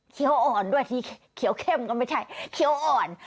อ่อนด้วยที่เขียวเข้มก็ไม่ใช่เคี้ยวอ่อน